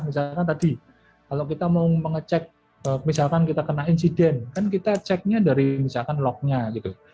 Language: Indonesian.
misalkan tadi kalau kita mau mengecek misalkan kita kena insiden kan kita ceknya dari misalkan lognya gitu